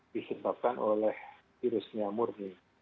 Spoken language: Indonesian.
disebabkan oleh virusnya murni